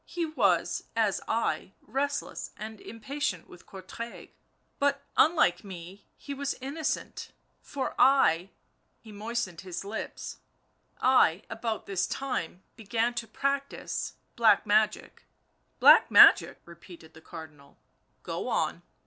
He was, as I, restless and impatient with Courtrai ... but, unlike me, he was innocent, for I," — he moistened his lips —" I about this time began to practise — black magic." " Black magic," repeated the Cardinal, " go on."